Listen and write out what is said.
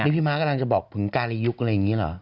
นี่พี่ม้ากำลังจะบอกถึงการในยุคอะไรอย่างนี้เหรอ